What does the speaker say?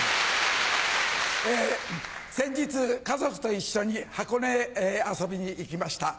先日家族と一緒に箱根へ遊びに行きました。